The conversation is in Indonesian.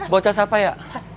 bocah siapa ya